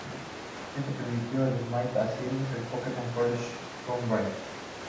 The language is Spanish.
Esto permitió a Smart asistir al Pembroke College de Cambridge.